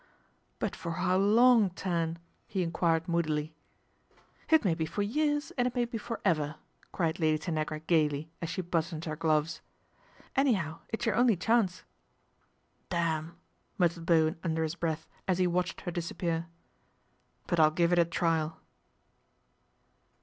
" But for how long, Tan ?" he enquired moodily. " It may be for years and it may be for ever," cried Lady Tanagra gaily as she buttoned her gloves. " Anyhow, it's your only chance." " Damn !" muttered Bowen under his breath as he watched her disappear; " but I'll give it a trial."